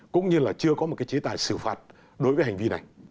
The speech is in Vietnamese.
cũng như chưa có một chế tài xử phạt đối với hành vi này